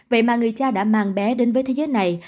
vậy mà người cha đã mang bé đến với thế giới này